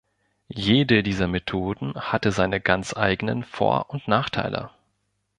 Jede dieser Methoden hatte seine ganz eigenen Vor- und Nachteile.